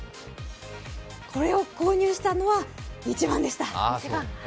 これを購入したのは１番でした。